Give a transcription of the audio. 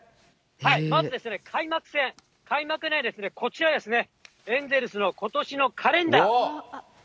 まず開幕戦、開幕祝い、こちらですね、エンゼルスのことしのカレンダー。